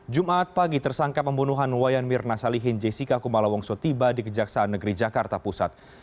jumat pagi tersangka pembunuhan wayan mirna salihin jessica kumala wongso tiba di kejaksaan negeri jakarta pusat